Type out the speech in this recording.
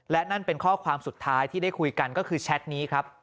และนั่นเป็นข้อความสุดท้ายที่ได้คุยกันก็คือแชทนี้ครับ